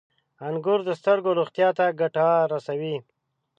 • انګور د سترګو روغتیا ته ګټه رسوي.